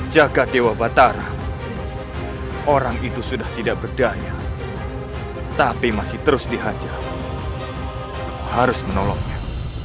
jaga dewa batara orang itu sudah tidak berdaya tapi masih terus dihajar harus menolongnya